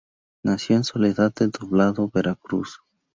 Nació en Soledad de Doblado, Veracruz.